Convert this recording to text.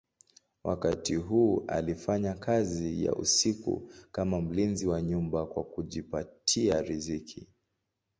Wakati huu alifanya kazi ya usiku kama mlinzi wa nyumba kwa kujipatia riziki.